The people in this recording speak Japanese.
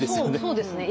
そうですね。